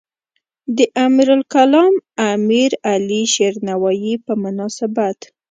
د امیرالکلام امیرعلی شیرنوایی په مناسبت.